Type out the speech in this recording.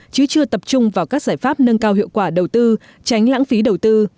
chứ chưa tập trung vào các giải pháp nâng cao hiệu quả đầu tư tránh lãng phí đầu tư